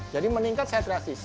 jadi meningkat secara drastis